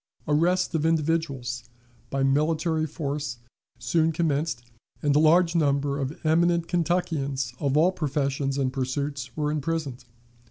Arrests of individuals by military force soon commenced, and a large number of eminent Kentuckians of all professions and pursuits were imprisoned.